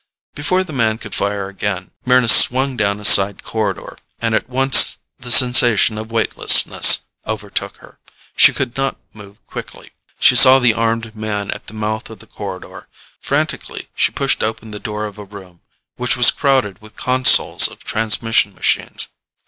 Before the man could fire again, Mryna swung down a side corridor, and at once the sensation of weightlessness overtook her. She could not move quickly. She saw the armed man at the mouth of the corridor. Frantically she pushed open the door of a room, which was crowded with consoles of transmission machines.